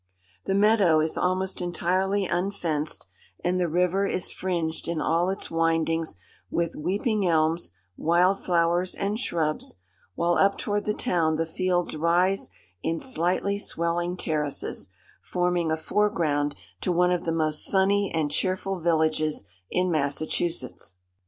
The meadow is almost entirely unfenced, and the river is fringed in all its windings with weeping elms, wild flowers and shrubs, while up toward the town the fields rise in slightly swelling terraces—forming a foreground to one of the most sunny and cheerful villages in Massachusetts.